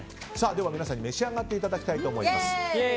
では皆さん、召し上がっていただきたいと思います。